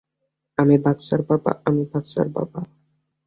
আমি বাচ্চার বাবা, আমি বাচ্চার বাবা!